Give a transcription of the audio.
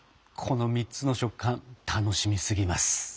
この３つの食感楽しみすぎます！